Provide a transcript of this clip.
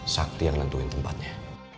sakti yang nentuin tempatnya